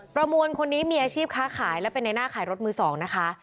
ประมวลคนนี้มีอาชีพค้าขายและเป็นในหน้าขายรถมือ๒นะคะ